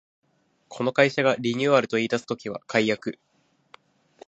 この会社がリニューアルと言いだす時は改悪